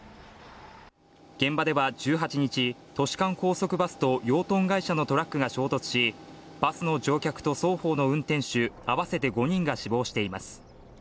現場では１８日、都市間高速バスと養豚会社のトラックが衝突し、バスの乗客と双方の運転手あわせて５人が死亡しています。